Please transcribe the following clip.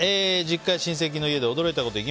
実家や親戚の家で驚いたこと。